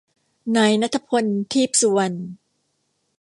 นายณัฏฐพล ทีปสุวรรณ